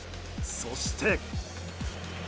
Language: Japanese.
そして。